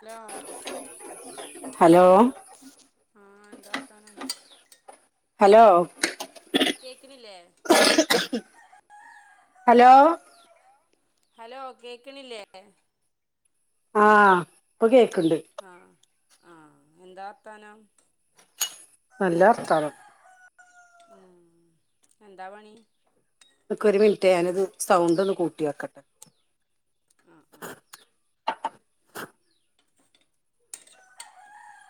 Hello ആഹ് hello എന്താ വർത്താനം ഹലോ കേക്കണില്ലേ ഹലോ ഹലോ കേക്കണില്ലേ ആ ഇപ്പം കേക്കാ ആ ആ എന്താർത്താനം നല്ല വർത്താനം ആ എന്താ പണി നക്ക് ഒരു മിനിറ്റ് ഞാനത് സൗണ്ട് ഒന്ന് കൂട്ടി വക്കട്ടെ ആ ആ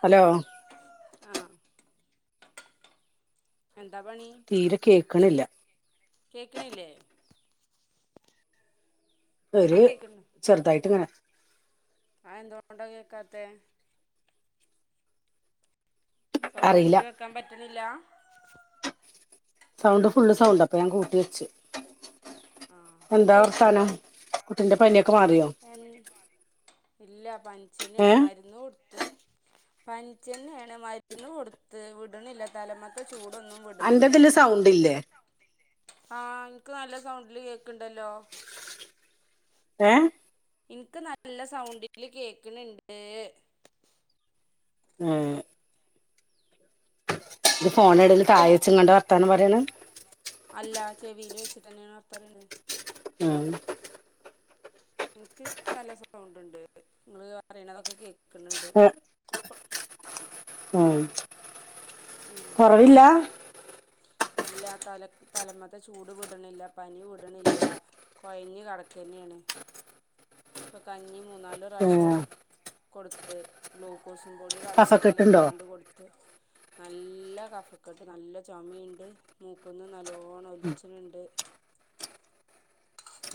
ഹലോ ആഹ് എന്താ പണി തീരെ കേക്കണില്ല കേക്കിണില്ലേ ഇപ്പൊ ഒരു കേക്കണ് ചെറുതായിട്ട് ഇങ്ങനെ അത് എന്തുകൊണ്ടാ കേക്കാതെ സൗണ്ട് കൂട്ടി അറിയില്ല വെക്കാൻ പറ്റിണി ഇല്ല സൗണ്ട് ഫുള്ള് സൗണ്ട് അപ്പൊ ഞാൻ കൂട്ടി വെച്ചു ആഹ് എന്താ വർത്താനം ന്റെ പനി ഒ അ ഇല്ല ഏ പനിച്ചന്നെയാണ് മരുന്ന് കൊടുത്ത് പനിച്ചന്നെയാണ് മരുന്ന് കൊടുത്ത് വിടണില്ല തലമേത്ത അൻ്റേതില് സൗണ്ട് ഇല്ലേ ആ എനക്ക് നല്ല സൗണ്ടില് കേക്കണ് ണ്ടല്ലോ ഏ എനിക്ക് നല്ല സൗണ്ടില് കേക്കണണ്ട് ആ ഇത് ഫോണ് എവിടേലു തായ വെച്ചങ്ങാണ്ട് വർത്താനം പറയണ് അല്ല ചെവിയിൽ വെച്ചിട്ട്ന്നെയ ഉണർത്തറുണ്ട് ഉം എനക്ക് നല്ല സൗണ്ട് ഉണ്ട് നിങ്ങള് പറയണതൊക്കെ കേക്കണണ്ട് ഏ, ഉം. കൊറവില്ല ഇല്ല തല തലമത്ത ചൂട് വിടണില്ല പനി വിടണില്ല കുഴഞ്ഞ് കടക്ക തന്നെയാണ് ഇപ്പൾ കഞ്ഞി മൂന്നാല് ഏ, പ്രാവശ്യം കൊടുത്ത് ഗ്ലൂക്കോസ് പ പൊടി വെള്ളത്തി കഫക്കെട്ടുണ്ടോ കലക്കാണ്ട് കൊടുത്ത് നല്ല കഫക്കട്ട് നല്ല ചുമയുണ്ട് മൂക്കൊന്ന് നല്ലോണം ഒലിച്ചിനുണ്ട്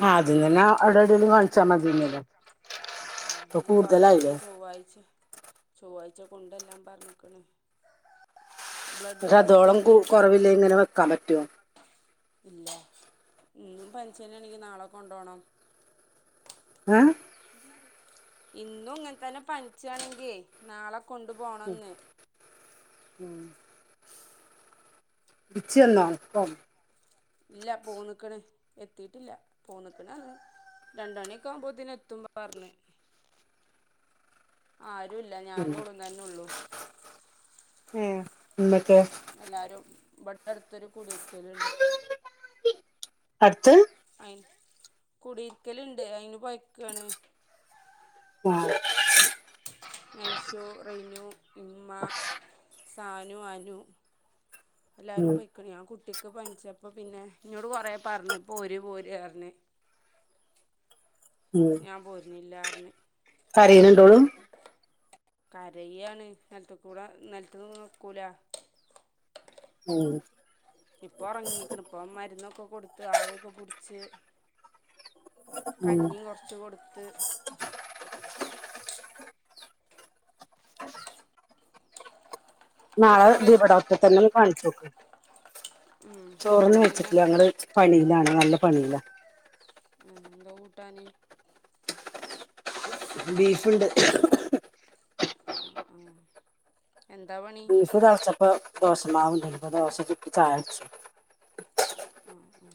ആ് അതിന്നന്നെ അവിടെ എടെലും കളിച്ചാ മതിന്നല്ലേ ഉ കുറവല്ലെങ്കി ചൊവ്വാഴ്ച്ച ചൊവ്വാഴ്ച കൊണ്ട എല്ലാം പറഞ്ഞക്കണ് പക്ഷെ അതോളം കു കുറവില്ല ഇങ്ങനെ വെക്കാൻ പറ്റുവോ ഇല്ല ഇന്നും പനിച്ച തന്ന എണക്ക് നാളെ കൊണ്ട പോോണം ഏ ഇന്നും ഇങ്ങനെ തന്നെ പനിച്ചാണെങ്കി നാളെ കൊണ്ടു പോോണെന്ന് ഉം ഇിച്ചന്നോപ്പം ഇല്ല പോ നിക്കണ എത്തിട്ടില്ല പോ നിക്കണ അത് രണ്ട മണിയക്കെ ആവുമ്പോത്തിെ എത്തുമ്പ പറഞ്ഞ ആര ല്ല ഞാനും ഉള്ളും തന്നെ ഉള്ളൂ ആഹ എല്ലാരും ഇവിടെ അടുത്തൊരു കുടയിരിക്കൽുണ്ട് അടുത്ത കുടരിക്കല ഇണ്ട് അയിന് പോയ്ക്കാണ് ആഹ നൈഷു റെനു ഇമ്മ സാനു അനു എല്ലാരും ഉം പൊക്ക ഞൻട്ട കുട്ടിക്ക് പനിച്ചപ്പ പിന്നെ ഇോട് കൊറ പറഞ്ഞു പോര് പോര് പറഞ്ഞ ഞാൻ പോരുന്നില്ല പിെ കരയ് നണ്ടോളും കരയാണ് നിലത്ത കൂട നിലത്ത നോക്കൂല ആഹ ഇപ്പൊ ഉറങ്ങിക്കണ ഇപ്പ മരുന്നൊക്കെ കൊടുത്ത് ആവിഒക്കെ കുടിച്ച് കഞ്ഞിയും കുറച്ച് കൊടുത്ത് നാളെ ചോറ് ദീപ കഴിച്ചോ ഡോക്ടറെ തന്നെ കാണിച്ചു നോക്കും ഉം ചോറന്ന് കുറവില്ലെങ്കി വെച്ചിട്ടില്ല അങ്ങോട്ട് ഞങ്ങള് പണയിലാണ് നല്ല പണില്ല എന്താ കൂട്ടാന ബീഫ് ഉണ്ട് ആ എന്താ പണി ബീഫ് തിളച്ചപ്പോൾ ദോശ മാവു ഉണ്ടായിരുന്നു ദോശ കൂട്ടി ചായ കുടിച്ചു ആ ഉ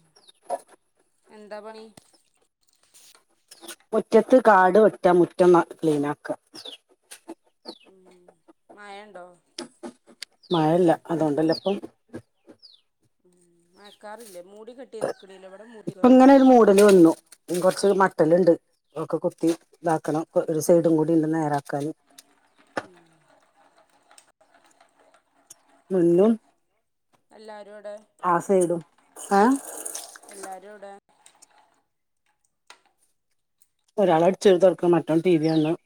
എന്താ പണി മുറ്റത്ത് കാട് വറ്റ മുറ്റം ക്ലീൻ ആാക്ക അ മയണ്ടോ? മഴല്ല. അതോണ്ടല്ലപ്പം ഉം മഴക്കാറില്ലേ മൂ ഇപ്പങ്ങനെ ഒരു മൂടല് വന്നു. ഉം കൊറച്ച് മട്ടല് ണ്ട്. ഒക്കെ കുത്തി ഇതാക്കണം. ഒരു സൈഡും കൂടി ഉണ്ട് നേരാക്കാന്. ഉം മുന്നും എല്ലാരു ആ സയിടും ഏഹ് എല്ലാരും എവിടെ ഒരാൾ അടിച്ചെരിത്തൊട്ക്കാ... മറ്റോൻ ടി വി കാണ് ണ്.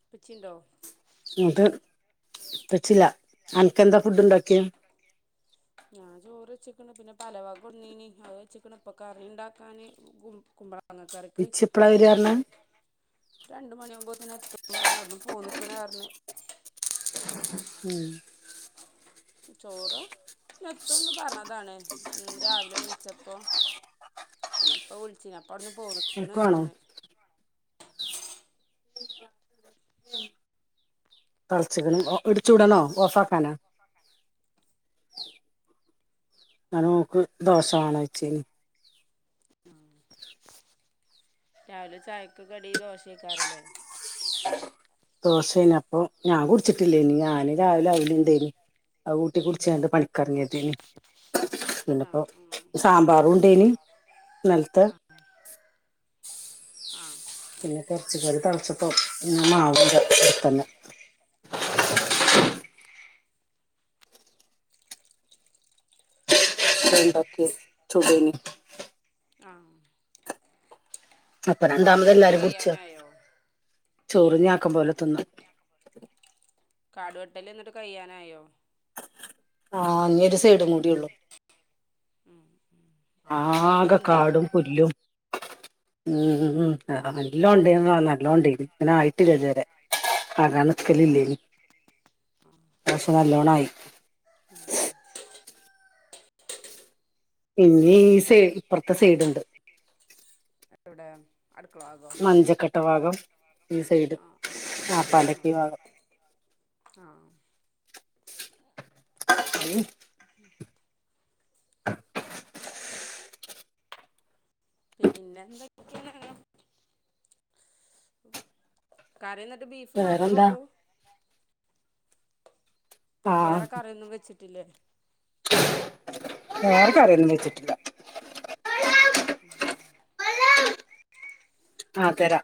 ഇപ്പച്ചിണ്ടോ? ന്നട്ട്... ഇപ്പച്ചില്ല. അനക്കെന്താ ഫുഡ് ണ്ടാക്കിയേ? ഞാൻ ചോറ് വച്ചക്കണ് പിന്നെ പലവാ കുന്നീന് അ വെച്ചക്കണ് ഇപ്പൊ കറിണ്ടാക്കാന് കുമ്പ മാങ്ങ കറിക്ക് ഇച്ച് എപ്പളാ അത് വരാ പറഞ്ഞെ തീമേൽ രണ്ട് മണിയാമ്പോത്തനെ [unintelligible] പോനിക്കണാറിഞ്ഞെ ഉം ചോറോ എത്തുംന്ന് പറഞ്ഞതാണ് രാവിലെ വിളിച്ചപ്പോ പിന്നെപ്പ വിളിച്ചപ്പ പ്പവിടുന്ന് പോന്നിക്ക്ണ് അനക്ക് വേണോ പറഞ്ഞ് [unintelligible] വിടണോ ഓഫാക്കാനോ ഞാന് ഓക്ക് ദോഷവേണച്ചേന് രാവിലെ ചായക്ക് കടി ദോശക്കാറല്ലേ ദോശേന അപ്പൊ ഞാൻ കുടിച്ചിട്ടില്ലേനി ഞാന് രാവിലെ അവലിണ്ടേനി അവ കൂട്ടി കുടിച്ച് പണിക്കറങ്ങത്തേന് പിന്നപ്പോ ആഹ് സാമ്പാറുംണ്ടേനി നിലത്ത് ആഹ് ആഹ് പിന്നെ തെറച്ചിക്കറി തിളച്ചപ്പോ പിന്നെ മാവ് അടുത്തന്നെ ഉം പണ്ടാക്കി ചുടേനി ആഹ് അപ്പൊ കാട് രണ്ടാമത് വെട്ടല് എല്ലാരും കുടിച്ച് കയ്യാനായോ ചൊറിഞ്ഞ് ആക്കം പോലെ തിന്ന് കാടുവെട്ടല് എന്നിട്ട് കഴ്യാനായോ ആഹ് ഇനി ഒരു സൈഡും കൂടിയൊള്ളു ഉം ഉം നല്ലോം ആകെ കാടും പൊന്തിയേക്കുവല്ലോ പുല്ലും ആഹ് ഉം നല്ലോണം ഇണ്ട് നല്ലോണം ഇണ്ട് ഇങ്ങനെ ആയിട്ടില്ല ഇത് വെരെ ആ കാണാൻ ഉം നിൽക്കലില്ലയ്‌നൂ പക്ഷെ നല്ലോണം ആയി ഇനി ഈ സൈഡ് ഇപ്പൊറത്തേ സൈഡുണ്ട് [inaudible] ഭാഗോ മഞ്ചക്കട്ട ഭാഗം ഈ സൈഡ് ആഹ് വാപ്പാന്റെ ആഹ് ക്കെ ആഹ് ഭാഗം ആഹ് [unintelligible] ഉം അ [unintelligible] പിന്നെന്തൊ കറിയ [unintelligible] ബീഫ് മാത്രം വേറെന്താ ഒള്ളൂ വേറെ ക്കറിയൊന്നും വെച്ചിട്ട് ട്ടില്ലേ വേറെക്കറിയൊന്നും വെച്ചിട്ടില്ല ഉം ഉ [unintelligible] ആ തരാ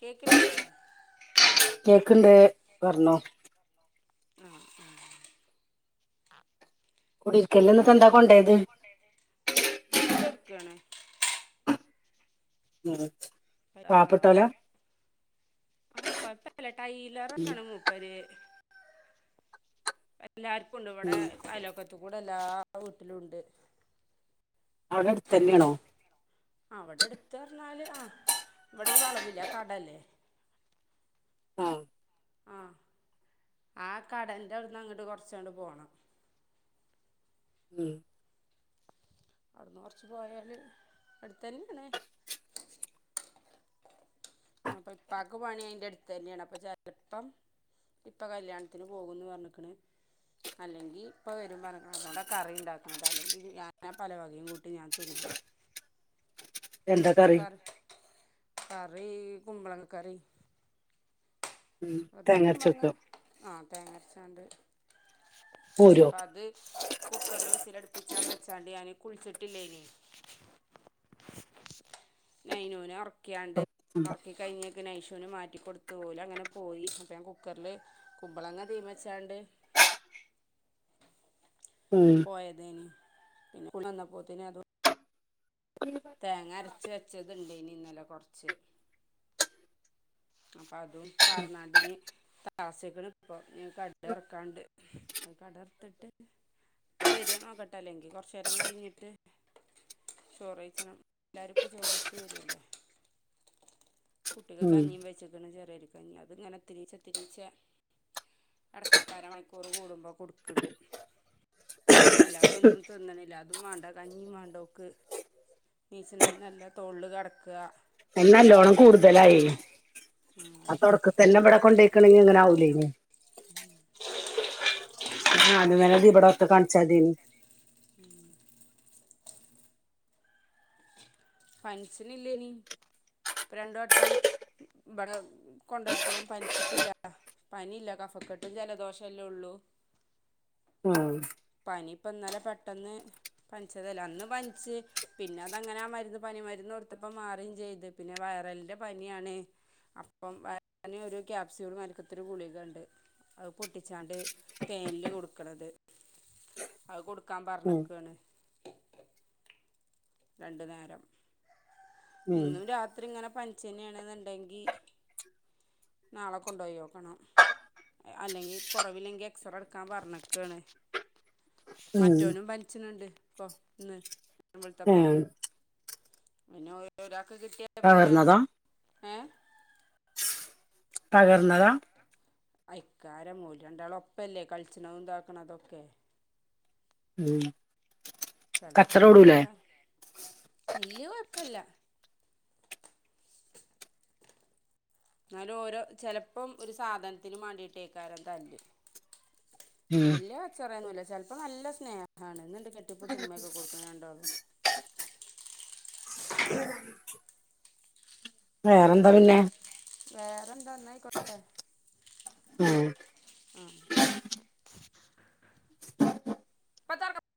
കേക്കിനില്ലേ കേൾക്ക്ണ്ട് പറഞ്ഞോ ആ ആ കുടിയിരിക്കലിന് ന്ന് കണ്ട കൊണ്ടോയത് ക്കാണ് ഉം [unintelligible] ആഹ പാവപ്പെട്ടോല ആഹ കുഴപ്പമില്ല ടൈലർ ആണ് മൂപ്പർ എല്ലാവർക്കും ഉണ്ട് ഇവിടെ ഉം. അയലോക്കത്ത് ഇവിടെ എല്ലാ വീട്ടിലും ഉണ്ട് അവിടെ അടുത്ത് തന്നെയാണോ ആഹ് ഇവിടെരു വളവില്ലേ ആ കടല്ലേ ആഹ ആഹ ആ കടന്റെ അവിടുന്ന് അങ്ങട്ട് കൊറച്ചണ്ട് പോണം ഉം അവിടുന്ന് കുറച്ച് പോയാൽ അടുത്ത് തന്നെയാണ് അപ്പൊ ഇപ്പാക്ക് പണി അയിന്റെ അടുത്ത് തന്നെയാണ് അപ്പൊ ചിലപ്പം ഇപ്പൊ കല്യാണത്തിന് പോകുമെന്ന് പറഞ്ക്ക്ണ് അല്ലെങ്കി ഇപ്പൊ വരും പറഞ് അതുകൊണ്ടാ കറി ഉണ്ടാക്കണത് അല്ലെങ്കി ഞാ ഞൻ പല വകയും കൂട്ടി ഞാൻ തിന്നും എന്താ കറി കറി കുമ്പളങ്ങ കറി വതക്കുമാങ്ങ തേങ്ങരച്ചൊക്കെ ആഹ് തേങ്ങാരച്ചാണ്ട് പോരോ അപ്പ അത് കുക്കർല് വിസിലടിപ് പിച്ചാൻ വെച്ചാണ്ട് ഞാന് കുളിച്ചിട്ടില്ലയ്നി നൈനൂന ഒറക് ക്യാണ്ട് ഒറക്കികഴിഞ് ഗ് നൈശുന് മാറ്റിക്കൊടുത്തു പോലും അങ്ങനെ പോയി അപ്പ ഞാൻ കുക്കറില് കുമ്പളങ്ങ തീം വെച്ചാണ്ട് ഉം പോയതേനി പിന്നെ കൊന്നപ്പോത്തിന് അത് തേങ്ങ അരച്ച് വെച്ചതുണ്ട് ഇനി ഇന്നലെ ക്കൊറച്ച് അപ്പം അതും പറന്നാണ്ട്ഞ്ഞി ത ആസ്യകണ് ഇപ്പോ ഞങ്ങക്ക് അട്ത്തെറക്കാണ്ട് അയ് കടറത്തി [unintelligible] ഇപ്പൊ വരുവേന്ന് നോക്കട്ടെ അല്ലെങ്കി കൊറച്ച് നേരം കയ്ഞ്ഞിട്ട് ചോറ് കയ്ച്ചണം എല്ലാരും ഇപ്പ ചോറ് കയ്ച്ച് വരൂല്ലേ കുട്ടിക്ക് ഉം കഞ്ഞീം വെച്ചേക്ക്ണ് ചെറിയൊര കഞ്ഞി അത്ങ്ങനെ ഇത്തിരീച്ചേ ഇത്തിരീച്ചേ എടക്കെടക്ക് അര മണിക്കൂറ് കൂടുമ്പോ കൊടുക്കണ്ട് അല്ലാതെ ഒന്നും തിന്നണില്ല അത് അതും വേണ്ടാ കഞ്ഞീം വേണ്ടോ ഓക്ക് നീ ഇച്ചി നേരം എന്റെ തൊള്ല് കെടക്ക്ക അയ്ന് നല്ലോണം കൂടുതലായി ആപ്പ അവടൊക്കത്തെല്ല അവട കൊണ്ടേയ്ക്കണെങ്കി ഇങ്ങനാവു ക്‌ളീനിംഗ് ആഹ് അത് വേണേതി ഇവിടെ ഒക്കെ കാണിച്ചാതിയായ്ന്ന് പനിച്ചിനില്ലേനി ഇപ്പ രണ്ട് വട്ടം ബടെ കൊണ്ടോയപ്പളും പനിച്ചിട്ടില്ല പനില്ല കഫക്കെട്ടും ജലദോഷല്ലേ ഒള്ളു ഉം പനി ഇപ്പ ഇന്നലെ പെട്ടന്ന് പനിച്ചതല്ല അന്ന് പനിച്ച് പിന്നെ അതങ്ങന ആ മരുന്ന് പനി മരുന്ന് കൊടുത്തപ്പ മാറിം ചെയ്ത് പിന്നെ വയറലിന്റെ പനിയാണ് അപ്പം വയറ്ന് ഒരു ക്യാപ്സ്യൂൾ മാര്ക്കത്തൊര് ഗുളികണ്ട് അത് പൊട്ടിച്ചാണ്ട് തേൻല് കൊടുക്കണത് അത് കൊടുക്കാൻ ഉം പറഞ്ഞക്കാണ് രണ്ട്നേരം ഉം ഇന്നും രാത്രി ഇങ്ങനെ പനിച്ചന്നെണെന്ന്ണ്ടെങ്കി നാള കൊണ്ടൊയി നോക്കണം അല്ലെങ്കി കൊറവില്ലെങ്കി എക്സറെ എടുക്കാൻ പറഞ്ഞക്കാണ് ഉം മറ്റോനും പൻച്ച്ണ് ണ്ട് ഇപ്പൊ ഇന്ന് തപ്പം ഉം. പിന്നെ ഓരൊരാ ക്ക് കിട്ടിയാ പിന്നെ തകർന്നതാ ഏഹ് പകർന്നതാ അയ്ക്കാര ഓല് രണ്ടാളുഒപ്പല്ലേ കളിച്ചണുംതാക്കണതൊക്കെ ഉം ചെലപ്പ കച്ചറ ഓടൂലേ അങ്ങനെക്ക വല്ല്യ കൊഴപ്പില്ല എന്നാലും ഓരോ ചെലപ്പം ഒരു സാധനത്തിനും മാണ്ടിട്ടയ്ക്കാരം തല്ല് ഉം. വല്ല്യ കച്ചറേന്നുല്ല്യ ചെ ചെൽപ്പം നല്ല സ്നേഹാണ് ഇന്ന്ണ്ട് കെട്ടിപിടിച്ച് ഉമ്മൊക്കെ കൊട്ക്ക്ണു രണ്ടാളും വേറെന്താ പിന്നെ വേറെന്ത്‌ എന്ത ഇന്നാ അയിക്കോട്ടെ. ഉം. ആഹ്.